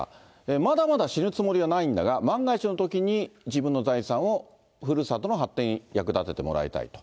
まだまだ死ぬつもりはないんだが、万が一のときに自分の財産をふるさとの発展に役立ててもらいたいと。